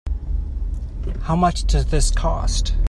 How much does this cost?